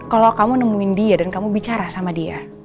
kalau kamu nemuin dia dan kamu bicara sama dia